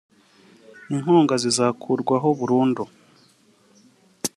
inkunga zizakurwaho burundu